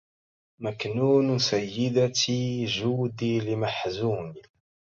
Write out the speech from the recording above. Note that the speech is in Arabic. مكنون سيدتي جودي لمحزون